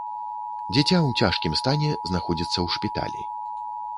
Дзіця ў цяжкім стане знаходзіцца ў шпіталі.